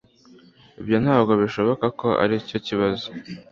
Ibyo ntabwo bishoboka ko aricyo kibazo.